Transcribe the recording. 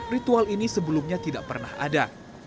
ritual ini sebelumnya tidak pernah ada